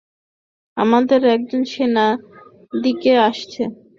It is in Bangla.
আমাদের একজন সেনা এদিকে আসছে।